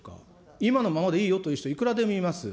今のままでいいよという人、いくらでもいます。